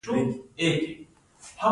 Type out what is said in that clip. د سپوږمۍ لپاره څه شی اړین دی؟